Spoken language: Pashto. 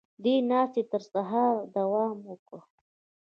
دې ناستې تر سهاره دوام وکړ.